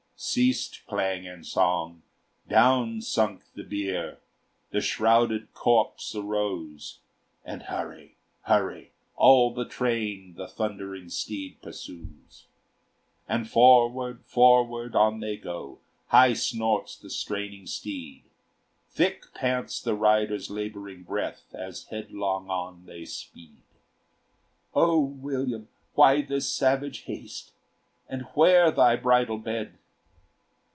Ceased clang and song; down sunk the bier; The shrouded corpse arose: And hurry! hurry! all the train The thundering steed pursues. And forward, forward, on they go; High snorts the straining steed; Thick pants the rider's laboring breath As headlong on they speed. "O William, why this savage haste? And where thy bridal bed?"